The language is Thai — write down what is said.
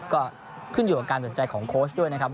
ก็ขึ้นอยู่กับการสนใจของโค้ชด้วยนะครับ